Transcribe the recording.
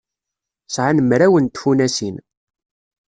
Sɛan mraw n tfunasin.